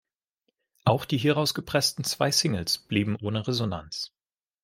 Auch die hieraus gepressten zwei Singles blieben ohne Resonanz.